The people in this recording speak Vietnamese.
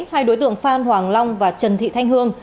hai đối tượng phan hoàng long và trần thị thanh hương